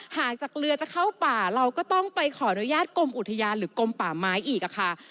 หากจากเรือจะเข้าป่าเราก็ต้องไปขออนุญาตกรมอุทยานหรือกลมป่าไม้อีกค่ะ